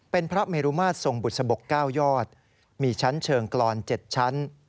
เป็นพระเมรุมาตรทรงบุษบก๙ยอดมีชั้นเชิงกรอน๗ชั้น